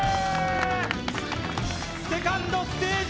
セカンドステージ